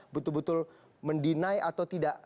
betul betul mendinai atau tidak